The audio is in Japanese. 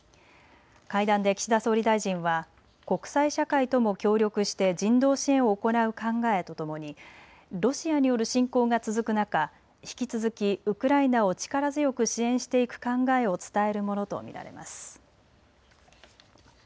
会談で岸田総理大臣は国際社会とも協力して人道支援を行う考えとともにロシアによる侵攻が続く中、引き続きウクライナを力強く支援していく考えを伝えるものと見られます。